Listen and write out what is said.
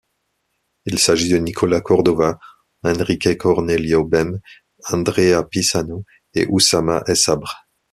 Il s'agit de Nicolas Cordova, Henrique Cornelio Bem, Andrea Pisanu et Oussama Essabr.